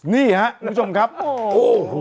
นี่ครับคุณผู้ชมครับโอ้โห